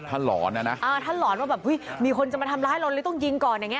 ท่านหลอนนะอ่าท่านหลอนว่ามีคนจะมาทำร้ายเราต้องยิงก่อนอย่างนี้